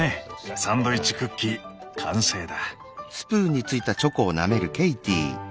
サンドイッチクッキー完成だ。